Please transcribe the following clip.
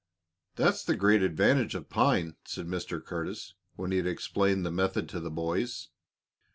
"That's the great advantage of pine," said Mr. Curtis, when he had explained the method to the boys.